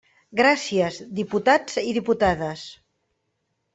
Gràcies, diputats i diputades.